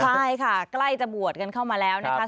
ใช่ค่ะใกล้จะบวชกันเข้ามาแล้วนะคะ